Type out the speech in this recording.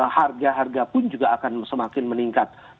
harga harga pun juga akan semakin meningkat